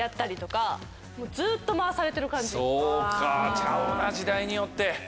ちゃうな時代によって。